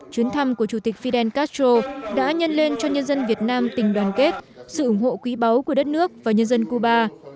chuyến thăm của chủ tịch fidel castro đã nhân lên cho nhân dân việt nam tình đoàn kết sự ủng hộ quý báu của đất nước và nhân dân cuba